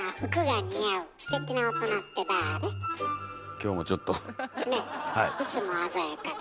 今日もちょっと。ね。